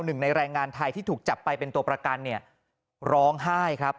หนึ่งในแรงงานไทยที่ถูกจับไปเป็นตัวประกันเนี่ยร้องไห้ครับ